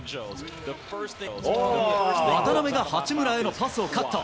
渡邊が八村へのパスをカット。